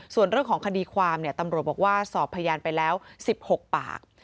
ส่วนเรื่องของคดีความตำรวจบอกว่าสอบพยานไปแล้ว๑๖ปาก